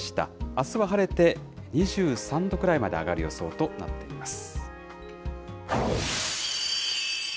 あすは晴れて、２３度くらいまで上がる予想となっています。